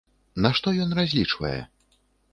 На што ён разлічвае?